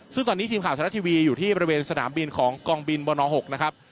ซึ่งตอนนี้ทีมข่าวไทยรัฐทีวีอยู่ที่บริเวณสนามบินของกองบินบน๖นะครับ